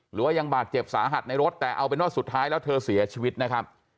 หรือว่ายังบาดเจ็บสาหัสในรถแต่เอาเป็นว่าสุดท้ายแล้วเธอเสียชีวิตนะครับ